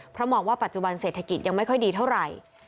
เพราะมองว่าปัจจุบันเศรษฐกิจยังไม่ค่อยดีเท่าไหร่